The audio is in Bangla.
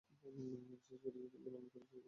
বিশেষ করে, যে ভুলগুলো আমি করেছি সেগুলোর ব্যাপারে।